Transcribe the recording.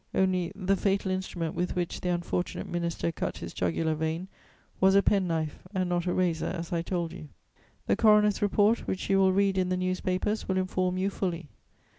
Only, the fatal instrument with which the unfortunate minister cut his jugular vein was a pen knife, and not a razor as I told you. The coroner's report, which you will read in the newspapers, will inform you fully.